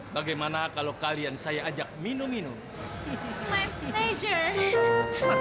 karena kalian berdua sudah menemukan dompet saya ini